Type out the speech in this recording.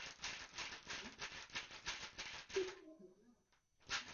这项发现是分析由行星环绕时拉扯恒星的引力造成的径向速度变化得到的。